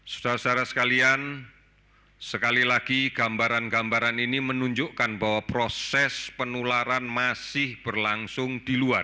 saudara saudara sekalian sekali lagi gambaran gambaran ini menunjukkan bahwa proses penularan masih berlangsung di luar